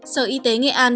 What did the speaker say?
sở y tế nghệ an